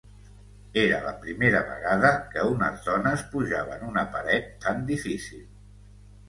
Era la primera vegada que unes dones pujaven una paret tan difícil.